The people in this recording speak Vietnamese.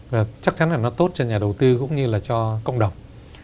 và chắc chắn là nó tốt cho nhà đầu tư cũng như là cho cộng đồng